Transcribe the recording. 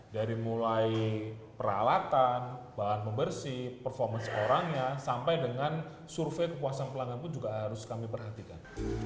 dari mulai peralatan bahan pembersih performance orangnya sampai dengan survei kepuasan pelanggan pun juga harus kami perhatikan